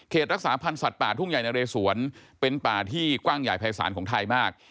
รักษาพันธ์สัตว์ป่าทุ่งใหญ่นะเรสวนเป็นป่าที่กว้างใหญ่ภายศาลของไทยมาก